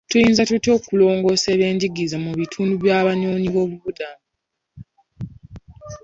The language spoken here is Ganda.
Tuyinza tutya okulongoosa eby'enjigiriza mu bitundu by'abanoonyi b'obubuddamu?